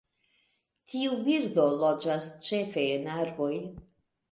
Tiu birdo loĝas ĉefe en arboj.